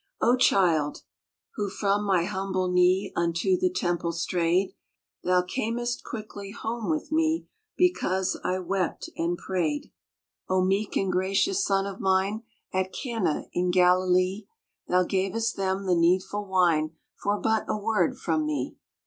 " O Child, who from my humble knee Unto the Temple strayed, Thou earnest quickly home with me Because I wept and prayed. 24 THE PRAYER OF MARY QUEEN " O meek and gracious Son of mine, At Cana in Galilee Thou gavest them the needful wine For but a word from me.